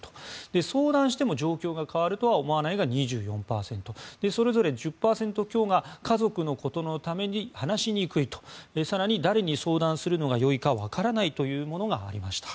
相談しても、状況が変わるとは思わないが２４％それぞれ１０％強が家族のことのため話しにくい更に、誰に相談するのがよいかわからないというものがありました。